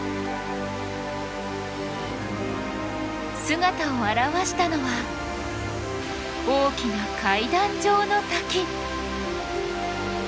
姿を現したのは大きな階段状の滝！